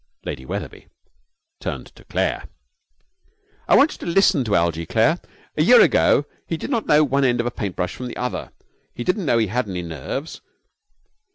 Lady Wetherby turned to Claire. 'I want you to listen to Algie, Claire. A year ago he did not know one end of a paint brush from the other. He didn't know he had any nerves.